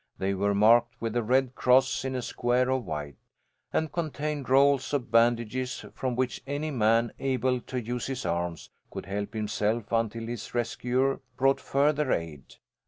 They were marked with a red cross in a square of white, and contained rolls of bandages, from which any man, able to use his arms, could help himself until his rescuer brought further aid.